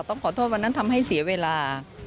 ต้องขอโทษวันนั้นทำให้เสียเวลา